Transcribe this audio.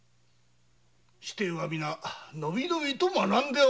子弟が皆のびのびと学んでおる。